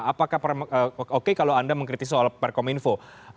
apakah oke kalau anda mengkritisi soal permen kominfo